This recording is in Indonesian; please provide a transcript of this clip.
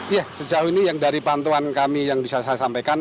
iya sejauh ini yang dari pantauan kami yang bisa saya sampaikan